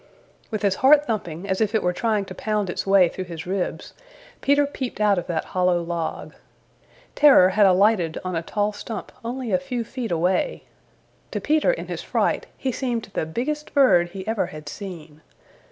With his heart thumping as if it were trying to pound its way through his ribs, Peter peeped out of that hollow log. Terror had alighted on a tall stump only a few feet away. To Peter in his fright he seemed the biggest bird he ever had seen.